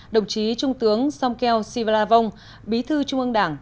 đồng chí trung tướng songkiel sivalavong bí thư trung ương đảng